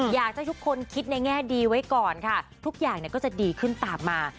อยากให้ทุกคนคิดในแง่ดีไว้ก่อนค่ะทุกอย่างก็จะดีขึ้นตามมา